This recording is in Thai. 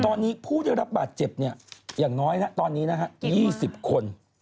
ตอนนี้ผู้จะรับบาดเจ็บอย่างน้อย๒๐คน